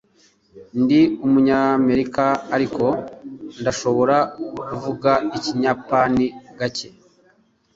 Ndi umunyamerika, ariko ndashobora kuvuga ikiyapani gake.